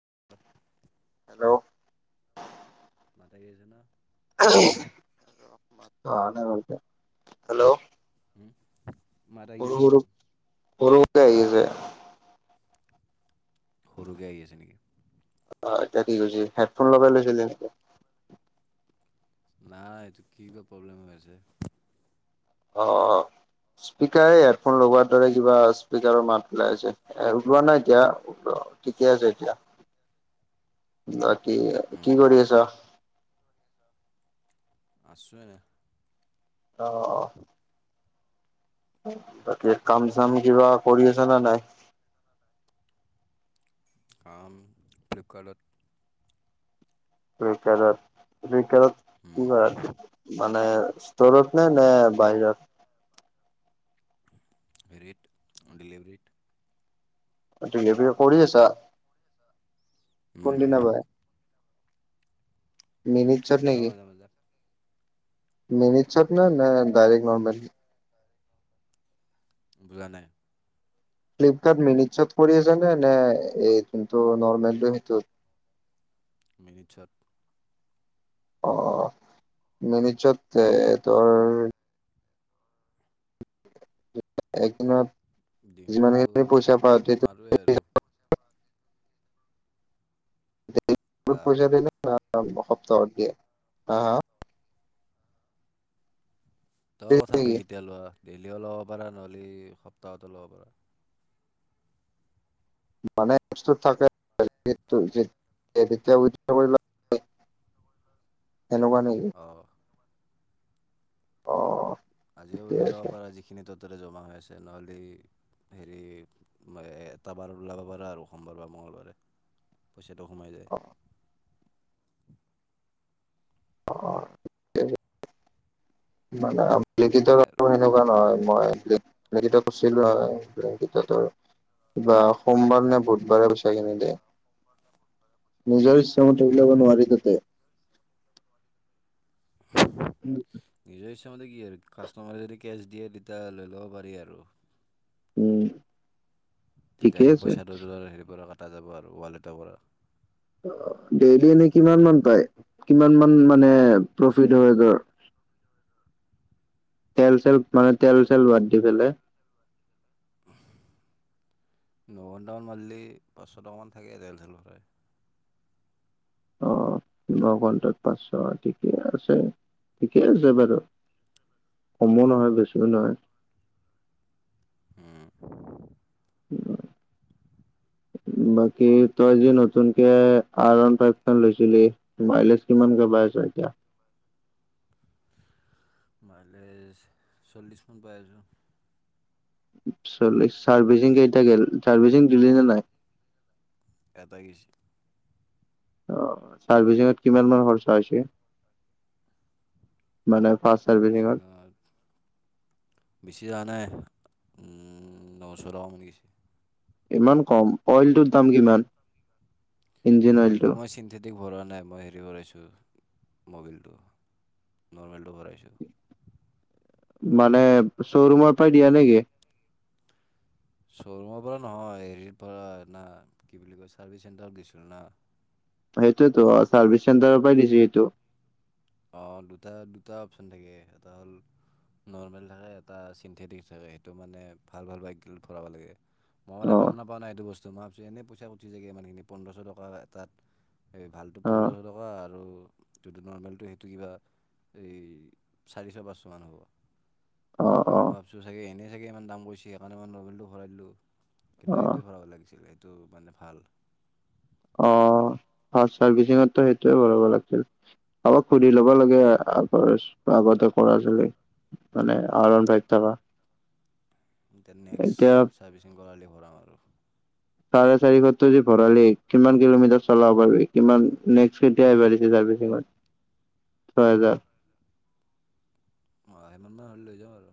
[inaudible] Hello [inaudible] hello হুম সৰু সৰু [inaudible] [unintelligible] [unintelligible] অ এতিয়া কি কৈছ হেডফোন লগাই লৈছিলে নাই এইটো কি ক প্ৰব্লেম হৈছে অ অ স্পীকাৰ হেডফোন লগোৱাৰ দৰে কিবা স্পীকাৰৰ মাত ওলাই আছে ওলোৱা নাই এতিয়া ঠিকে আছে এতিয়া বাকি কি উম কৰি আছ আছো অ অ বাকী কাম চাম কিবা কৰি আছ নে নাই [unintelligible] বকাৰত বকাৰত উম কি মান নাই ষ্টৰত নে নে বাহিৰত [unintelligible] ঠিকে পে কৰি আছা উম কোনদিনা ব মিন চত যাওঁ নেকি মাজে মাজে মিনট চত ন নে ডাইৰেক্ট নৰ্মেল বুজা নাই ফ্লিপকাৰ্ট মিনিটত কৰিয়ে জানে নে এইোনটো নৰ্মেল হয়টো [inaudible] [unintelligible] অ মি নি্ চত তাৰ একদিন [unintelligible] হা পূজা দিল ন সপ্তাহতে হ হা তই কথাটো কেতিয়া লোৱা দেললিও ল'ব পাৰা নহ'লে সপ্তাহতো ল'ব পাৰা মানে থাকে [unintelligible] সেনেকুৱা নেকি অ অ আজিও ঠিকে ওলাই লব আছে পাৰা যিখিনি তততে জমা হৈ আছে নহ'লে হেৰি এটা বাৰ ওলাব পাৰা আৰু সোমবাৰ বা মংগলবাৰে [unintelligible] খেতক সোমাই যায় অ অ মানে লিখিত এনেকৈ আৰু কাৰ এনেকুৱা নহয় [unintelligible] সোমবাৰ নে উম, বুধবাৰে গুচাই কিন দেে নিজৰ ইচ্ছামতে উললিয়াব নোৱাৰি তাতে নিজে হৈছে ম কি আৰু কাষ্টমাৰদি কেছ দিয়ে তেতিয়া লৈ ল'ব পাৰি আৰু উম। তেতিয়া ঠিকে সেইটো আছে। পইচাটো হেৰিৰ পৰা কাটা যাব আৰু, ৱালেটৰ পৰা ডেইলি এনেই কিমানমান পায়? কিমানমান, মানে প্ৰফিট হয় ধৰক? [inaudible] তেল-চেল মানে, তেল-চেল বাদ দি পেলাই [inaudible] ন'ঘণ্টামান মাৰিলে পাঁচশটামান থাকে, তেল-চেল ভৰাই। অ'। ন'ঘণ্টাত পাঁচশ, ঠিক আছে, ঠিক আছে বাৰু কমো নহয়, বেছিও নহয়। উম, [inaudible] বাকী, তই যে নতুনকে আৰৱান ফাইভখন লৈছিলি, মাইলেজ কিমান? দবাইছে এতিয়া মাইলেজ, চল্লিশমান পাই আছোঁ। চল্লিশ। চাৰ্ভিচিং কেইটা গ'ল? চাৰ্ভিচিং দিলি নে নাই? এটাই গৈছে আহ, চাৰ্ভিচিঙত কিমান মান খৰচা হৈছে? মানে ফাৰ্ষ্ট চাৰ্ভিচিঙত? চাৰভিচিঙত, বিছি যোৱা নাই। উম, নচ টকামান গৈছে। ইমান কম, অইলটোৰ দাম কিমান? অইলটো মই চিন্থেটিক ভৰোৱা নাই, মই হেৰি ভৰাইছোঁ মবিলটো। নৰ্মেলটো ভৰাইছো। মানে, শ্ব'ৰুমৰ পৰাই দিয়া নেকি? শ্ব'ৰুমৰ পৰা নহয় হেৰিৰ পৰা না, কি বুলি কয় চাৰ্ভিচ চেণ্টাৰত গৈছিলো না। সেইটোয়তো চাৰ্ভিচ চেণ্টাৰৰ পৰাই দিছো সেইটো। অ' দুটা-দুটা অপচন থাকে এটা হ'ল, নৰ্মেল থাকে এটা চিনথেটিক থাকে সেইটো মানে ভাল ভাল বাইকিল ভৰাব লাগে। মই মানে অ গম নাপাওঁ নাই এইটো বস্তু মই ভাবিছো এনেই খুজছি চাগে মানেখিনি পোন্ধশ টকা এটাত এই ভালটো অ পোন্ধৰশ টকা আৰু যটো নৰ্মেলটো সেই কিবা এই চাৰিশ পাঁচশ মান হ'ব। অ অ গতিকে মই ভাবছো চাগে এনেই চাগে ইমান দাম কৈছি সেইকাৰণে মই মবিলটো ভৰাই দিলোঁ। কিন্তু অ সেইটোৱে ভৰাব লাগিছিল সেইটো মানে ভাল। ফাষ্ট চাৰ্ভিচিংৰতো সেইটোৱে ভৰাব লাগছিল। কাবাক সুধি ল'ব লাগে আগ আগতে কৰা চলিক। মানে আৰওৱান ফাইভ থাকা। এতিয়া নেক্সট চাৰ্ভিচিং কৰালে ভৰাম আৰু। চাৰে চাৰিশটো যি ভৰালি কিমান কিলোমিটাৰ চলাব পাৰলি কিমান নেক্সট কেতিয়া আহিবা দিছিল চা [unintelligible] ছয় হাজাৰ। [unintelligible] হ'লে লৈ যাম আৰু।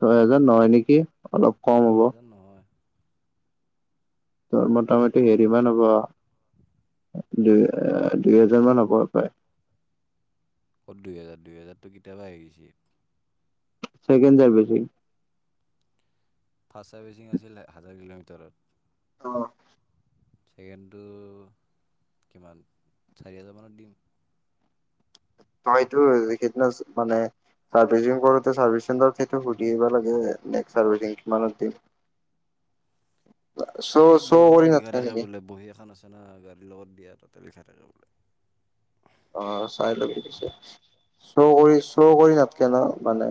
ছয় হাজাৰ নহয় নেকি। অলপ কম হ'ব ছয় হাজাৰ নহয়। তোৰ মোটামুটি হেৰি মান হ'ব। দুই-দুই হেজাৰ মান হব পায়। অ' দুইহেজাৰ- দুইহেজাৰটো কতিয়াবা আহি গেইচি। চেকেণ্ড যাৰ বেছি। ফাষ্ট চাৰ্ভিচিং আছিল হাজাৰ কিলোমিটাৰত। অ'। চেকেণ্ডটো কিমান চাৰি হাজাৰ মানত দিম। তইতো সেইদিনা চোন মানে চাৰ্ভিচিং কৰোতে চাৰ্ভিচচেণ্টাৰত সেইটো সুধি আহিব লাগে, নেক্সট চাৰ্ভিচিং কিমানত দিম? [inaudible] চ' এই চ' বহীখনত কৰি লিখা নাথাকে থাকে নেকি বোলে বহী এখন আছে না গাড়ীৰ লগত দিয়া তাত তাতে লিখা থাকে‌ বোলে। অ' চাই লবি পিছত শ্ব‌' কৰি, শ্ব' কৰি নাথাকে ন মানে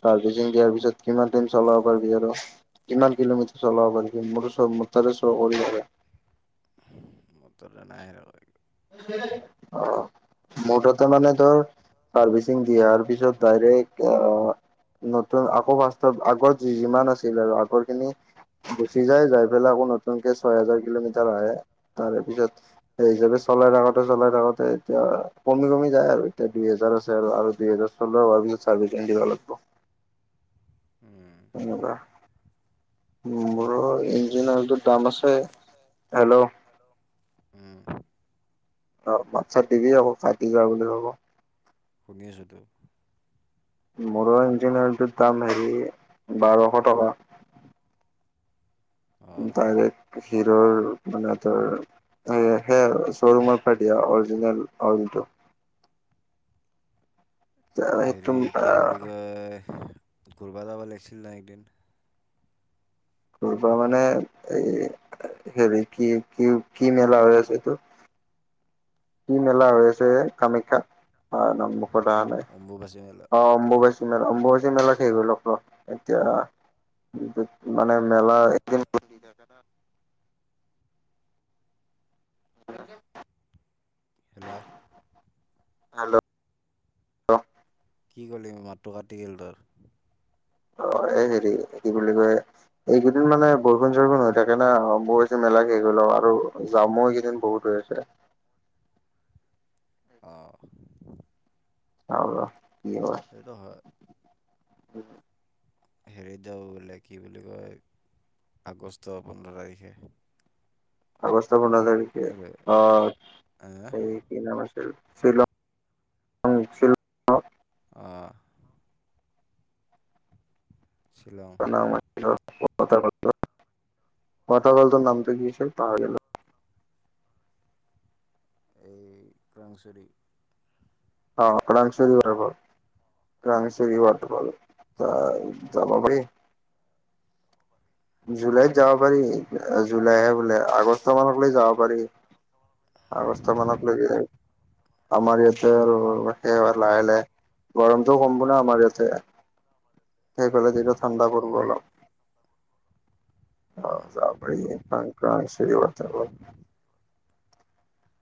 চাৰ্ভি চিং দিয়াৰ পিছত কিমান টাইম চলাব পাৰিবি আৰু কিমান কিলোমিটাৰ চলাব পাৰিবি, মোৰো শ্ব', মোৰ তাৰে অৰি [unintelligible] মোৰ তাতে নাই ৰ একো [unintelligible] অ', মোৰ তাতে মানে ধৰ চাৰ্ভিচিং দিয়াৰ পিছত ডাইৰেক্ট আ নতুন আকৌ ফাৰ্ষ্টত আগৰ যিমান আছিল আৰু আগৰ খিনি গুচি যায় যাই পেলাই আকৌ নতুনকে ছয় হাজাৰ কিলোমিটাৰ আহে তাৰে পিছত সেই হিচাপে চলাই থাকোতে চলাই থাকোতে এতিয়া কমি-কমি যায় আৰু এতিয়া দুই হেজাৰ আছে আৰু। আৰু দুই হেজাৰ চলো চাৰভিচিং দিবা লাগিব হ উম এনেকুৱা, মোৰ ইঞ্জিন অইলটো দাম আছে। হেল্ল'। উম অ', মাত-চাত দিবি আকৌ কাটি যোৱা বুলি ভাবিব। শুনি আছোতো মোৰো ইঞ্জিন অইলটোৰ দাম হেৰি, বাৰশ টকা। অঁ ডাইৰেক্ট হিৰ'ৰ মানে তোৰ হেয়া, হিয়াই আৰু শ্ব'ৰুমৰ পৰা দিয়া অৰিজিনেল অইলটো। সেইটো হেৰি কি বুলি কয়, ঘুৰবা যাবা লাগিছিল ন একদিন। কৰা পৰা মানে এই হেৰি কি-কি-কি মেলা হৈ আছে এইটো? কি মেলা হৈ আছে হে কামাখ্যা? [unintelligible] নাম মুখত আহা নাই, অম্বুবাচী মেলা অ'। [unintelligible] মেলা, অম্বুবাচী মেলা শেষ হল আকৌ, এতিয়া মানে মেলা একদিন [unintelligible] [unintelligible] হেল্ল' হেল্ল' [unintelligible] কি ক'লি, মাতটো কাটি গল তৰ। অ', এই হেৰি কি বুলি কয়, এইকেইদিন মানে বৰষুণ-চৰষুণ হৈ থাকে না, অম্বুবাচী মে [unintelligible] আৰু জামো কেইদিন বহুত হৈ আছে। অ'। [unintelligible] এইটো হয়। [unintelligible] হেৰিত যাওঁ বোলে কি বুলি কয়, আগষ্ট পোন্ধৰ তাৰিখে। আগষ্ট পোন্ধৰ তাৰিখে, আৰু- আহ অ', এই কি নাম আছিল শ্বিলং- [unintelligible] অ'। শ্বিলং প্ৰন ক কথা বালতৰ নামটো কিছিল পা গ। এই ক্ৰংচুৰি। অ' এং চৰি কৰে। এং চেৰি বাৰ্ত ভাল। ত উম, যাবাবি? জুলাইত যাব পাৰি। জুলাইহে বোলে আগষ্ট মাহক লৈ যাব পাৰি। আগষ্ট মানক লৈকে, আমাৰ ইয়াতে আৰু সেইবাৰ লাহে-লাহে গৰমটো সম্ভ ন আমাৰ ইয়াতে। সেইফালে যিটো ঠাণ্ডা কৰব উম, অলপ। উম। অ', [unintelligible] [inaudible]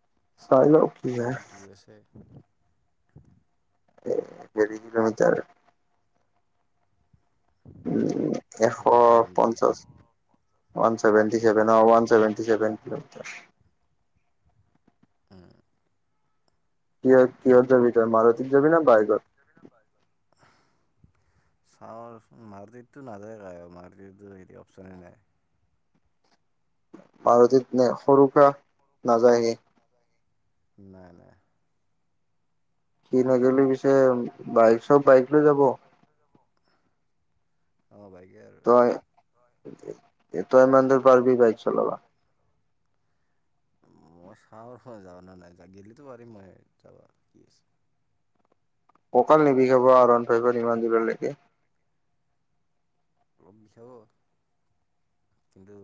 চাই লওঁ কি হয় অলপ দূৰ আছে। এ কে কিলোমিটাৰ [unintelligible] উম, এশ ওৱান ছেভেণ্টি পঞ্চাশ। ৱান ছেভেনটি ছেভেন, অ' ৱান ছেভেনটি ছেভেন। উম্। কিহত-কিহত যাবি তই মাৰুতীত যাবি নে বাইকত। চাও দেচোন মাৰটিতটো নাযায় তাই মাৰটিতটো এতিয়া অপচনে নাই। মাৰতিত নে সৰু পৰা নাযায় গে। নাই-নাই। সি নাগেলি পিছে বাইক চব বাইক লৈ যাব। বাইকে আৰু। তই তই ইমান দূৰ পাৰবি বাইক চলাবা। মই চাওঁ মই যাওঁ নে নাই, গেলিটো পাৰিম এ মই যাবা, কি আছে। ককাল নিবিষাব [unintelligible] ইমান দূৰলৈকে। অলপ বিষাব, কিন্তু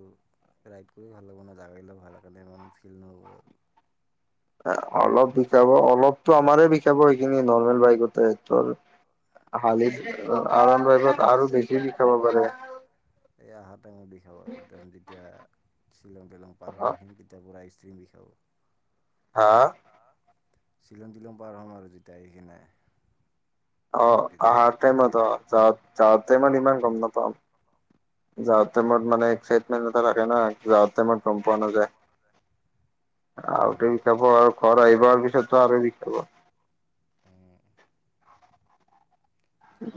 [unintelligible] অলপ বিখাব, অলপতো আমাৰে বিখাব এইখিনি নৰ্মেল বাইকতে তোৰ। হালিত [unintelligible] আৰু বেছি বিখাব পাৰে। এ আহা টাইমত বিখাব একদম যেতিয়া শ্বিলং তিলং পাৰ হৈ আহিম, তেতিয়া [unintelligible] বিখাব। হা। চিলং-তিলং পাৰ হ'ম আৰু যেতিয়া আহিকিনে। অ' অহাৰ টাইমত অ' যা যাওতে মানে ইমান গম নাপাম। যাৱাৰ টাইমত মানে এক্সাইটমেণ্ট এটা থাকে না যাৱাৰ টাইমত গম পোৱা নাযায়। আহোতে উম বিখাব আৰু ঘৰ আহি পোৱাৰ পিছততো আৰু বিখাব। [inaudible] উম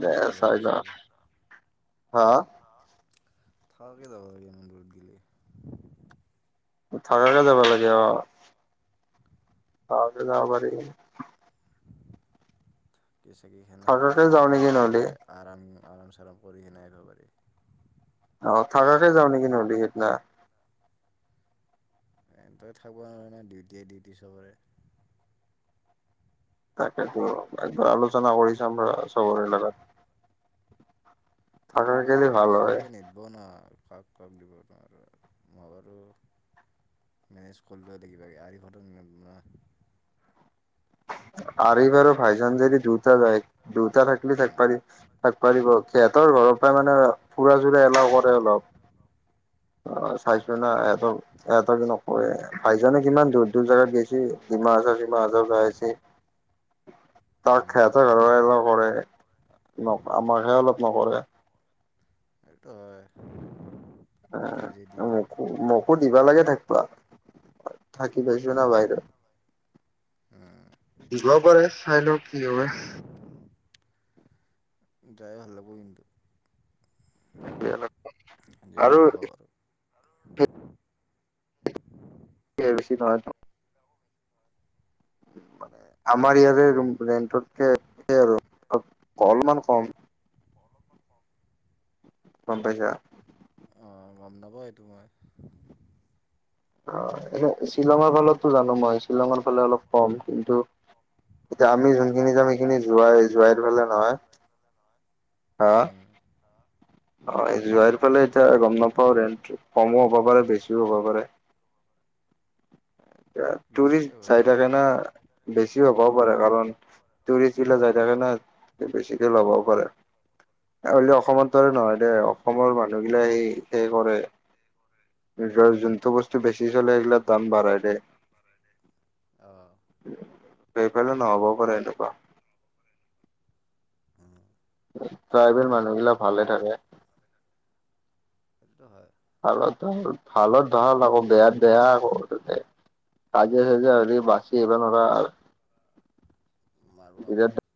দে যাব চাই লওঁ, লাগিছিল আ। [unintelligible] থাকাকে যাব লাগে অ' থকাকে যাব পাৰি। থাকিকিনে থাকাকে পিছদিনা যাওঁ নেকি বঢ়িয়াকে নহ'লে আৰাম-আৰাম চাৰাম কৰি কিনে আহিব পাৰি। অ' থাকাকে যাও নেকি নহ'লে সেইদিনা। এই তই থাকবা নে ডিউটিয়ে-ডিউটি চবৰে। তাকেতো একবাৰ আলোচনা কৰি চাম বাৰু চবৰে লগত। থাকা থাকিব গেলি ভাল হয় চবকে নিদব ন। কাক দিব নোৱাৰ মই বাৰু মেনেজ কৰিলো কিবা আ [unintelligible] [inaudible] এইবাৰ যদি [unintelligible] যদি দুটাৰ হয় দুটা থাকিলে থাক-থাক বা দিব সিহঁতৰ ঘৰৰ পৰাই মানে ফুৰা চোৰা এলাও কৰে অলপ অ' চাইছো ন অঁ এহতক ইহঁতক ন ভাইজানে কিমান দূৰ- দূৰ জাগাত গেছে ডিমা হাছাও চিমা হাছাও যাইছে। তাক উম সেহতৰ ঘৰে এলাও কৰে আমাক হে অলপ নকৰে। এইটো হয়, ট্ৰেজেদি। মোক দিবা লাগে থাকিবা থাকি পাইছো ন বাহিৰত। উম দিব পাৰে চাই লও কি হয়। যাই ভাল লাগবো। আৰু [unintelligible] [inaudible] [unintelligible] বেছি নোৱাৰ। [unintelligible] আমাৰ ইয়াৰে উম ৰুম-ৰেন্টতকে ঠিকেই আৰু, অলমান কম। গম পাইছা। অহ গম নাপাওঁ এইটো মই। অহ এনে শ্বিলঙৰ ফালো জানোঁ মই শ্বিলঙৰ ফালে অলপ কম কিন্তু। এতিয়া আমি যোনখিনি যাম সেইখিনি যোৱাই যোৱাই ফালে নহয়। হা। উম অহ জোৱাৰ ফালে এতিয়া গম নাপাওঁ ৰেণ্টটো কমো হ'ব পাৰে বেছিও হ'ব পাৰে। এতিয়া বেছিয়ে হ'ব টুৰিষ্ট চাই চাগে থাকে ভাল। না বেছি হ'বও পাৰে। কাৰণ টুৰিষ্টি বিলাক যায় থাকে না বেছিকে ল'বও পাৰে। হলেও অসমত দৰে অঁ নহয় দেই অসমৰ মানুহবিলাক সেই কৰে। নিজৰ যোনটো বস্তু বেছি চলে এইগিলাক দাম বাঢ়াই দিয়ে। অঁ সেইফালে‌ নহ'বও পাৰে এনেকুৱা। উম ট্ৰাইবেল মানুহগিলা ভালে থাকে। সেইটো হয়। ভালত ভাল ভালত ভাল আকৌ বেয়াত বেয়া আকৌ তাতে। কাজিয়া চাজিয়া হলে অঁ বাচি আহিবা‌ নোৱাৰা। মাৰব বিৰাট আমাক।